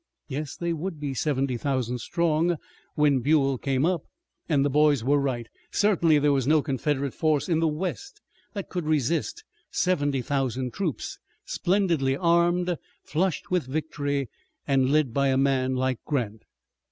Yes, they would be seventy thousand strong when Buell came up, and the boys were right. Certainly there was no Confederate force in the west that could resist seventy thousand troops, splendidly armed, flushed with victory and led by a man like Grant.